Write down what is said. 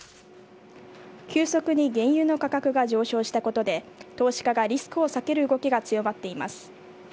急速に原油の価格が上昇したことで、投資家がリスクを避ける動きが強まっています。